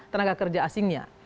tenaga kerja asingnya